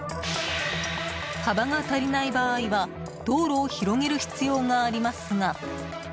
幅が足りない場合は道路を広げる必要がありますが。